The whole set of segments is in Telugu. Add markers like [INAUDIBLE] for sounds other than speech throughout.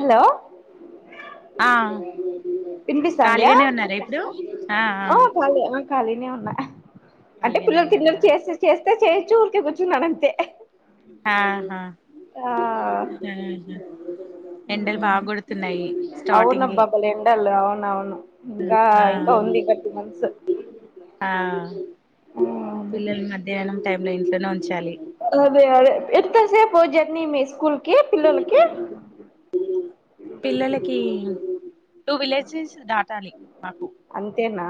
హలో ఆ వినిపిస్తాందా ఖాళీగానే ఉన్నారా ఇప్పుడు ఆ పర్లే ఆ ఖాళీ గానే ఉన్నా అంటే ఖాళీగానే పిల్లల ఉన్నారా తిన్నది ఆహా చేస్తే చేస్తే చేయ్ చూర్కే గుచ్ ఆహా ఆ ఎండలు బా గొడుతున్నాయి. అవునబ్బా బలే ఎండల్ అవునవ్ అవును ఇంకా ఆ ఇంకా ఉంది ఇంగా టూ మంత్స్ ఆ పిల్లలు మధ్యాహ్నం టైమ్ లే ఇంట్లోనే ఉన్ అదే అదే ఎంత సేపు జర్నీ మీ స్కూల్ కి పిల్లలకి పిల్లలకి [INAUDIBLE] టూ విలేజెస్ దాటాలి మాకు నా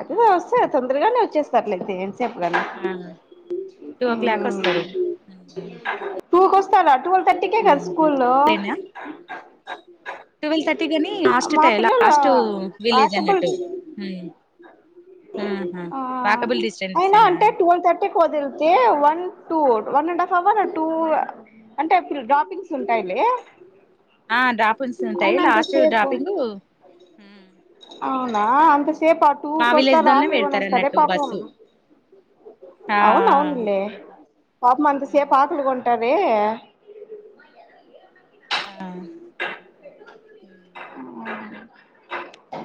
అటుగా వస్తే తొందర్గానే వచ్చేస్తా అట్లయితే ఎంత సేపు గనీ ఆ టూ ఓ క్లాక్ వస్తారు టూ కొస్తారా టూవల్ థర్టీకే కదా స్కూల్లో ట్వెల్వ్ టి గని లాస్ట్ టై లాస్ట్ విలేజ్ వాకబుల్ అనట్టు. ఆ అయినా డిస్టెన్స్నా అంటే ట్వల్ థర్టీకి ఓడిలితే one two one and half అవరే టూ అంటే ఇప్పుడు డ్రాపింగ్స్ ఉంటాయిలే ఆ డ్రాపింగ్స్ ఉంటాయి అయిన లాస్ట్ అంతసేపు డ్రాపింగ్ నా అంత సేప టూ మా విలేజ్ కొస్తావా లోనే ఆకలి పెడతారు కొనేస్తరే అన్నట్టు పాపం బస్సు ఆ అవునవున్లే పాపం అంత సేపు ఆకలి కొంటా రే ఆ ఆ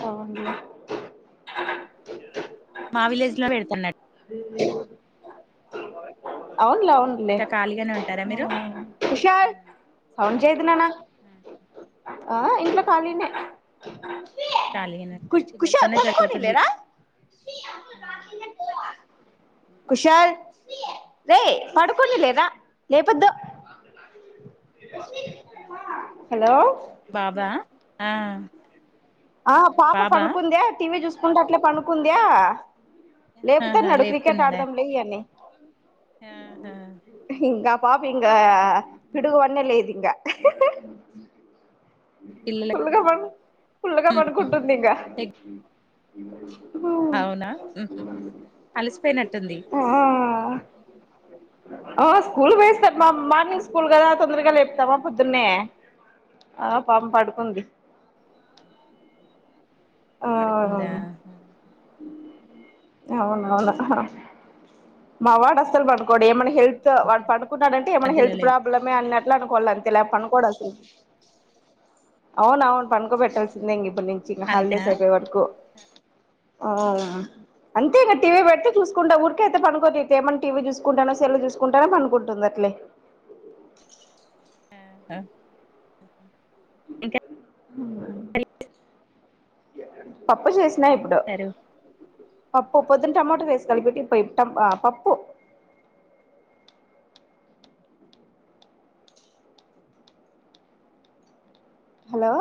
అవునా మా విలేజ్లో పెడ్తన్నట్ అవున్లే అవున్లే టారా మీరు కుషాల్ అవును చేయదు నాన్న ఆ ఆ ఇంట్లో కాలినే ఆ ఖాళీగానే కు ఉంటారు కుశల్ పిల్లలతోనే పడుకోనిలే సరిపోతుంది రా కుశల్ రేయ్ పడుకోని లే రా లేపద్దు. హలో బాబా ఆ ఆ పాప బాబా పంనుకుంది. టీ వీ జూస్ కుంటు అట్లే పనుకుందయా ఆహా లేపుతన్నడు క్రికెట్ లేపుతున్నాడా ఆడుదాం లే అని ఆహా ఇంకా పాపింకా పిడుగుపన్న లేయదు ఇంగా పిల్లల ఫుల్ గా పం ఫుల్ గా పడుకుంటుంది ఇంగా [UNINTELLIGIBLE] అవునా అలిసిపోయినట్టుంది ఆ ఆ స్కూల్ వేస్తారు మా మార్నింగ్ స్కూల్ కదా తొందరగా లేపుతావా పొద్దునే ఆ పాం పడుకుంది పడుకుందా అవునువును మావాడు అసల్ పాడుకోడు ఏమనే హెల్త్ వాడు పడుకున్నాడ అంటే ఏమన్నా మధ్యలో హెల్త్ లేం ప్రాబ్లమే అన్న అట్లే అనుకోలా అంతే లేక పండుకోడు అస్సలు అవును అవును పనుకో పెట్టాల్సిందే ఇంగ ఇప్పటి నుంచి ఇంగ అంతేనా హాలిడేస్ అయిపోయే వరకు ఆ అంతె ఇంగ టీవి పెడితె చుసుకుంటు ఊరికె అయితె పను కోది తే ఏమన్నా టీవీ చూసుకుంటానొ సెల్లు చూసుకుంటానొ పనుకుంటది అట్లే ఇంకా హ్మ్ పప్పు చేసి ఇంగా ఇప్పుడు సారు పప్పు పొద్దున టమాటో రైస్ కలిపింటి పోయిటం పప్పు హలో